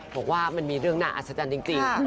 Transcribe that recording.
บอกว่ามันมีเรื่องน่าอัศจรรย์จริง